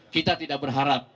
kita tidak berharap